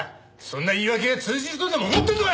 そんな言い訳が通じるとでも思ってるのか！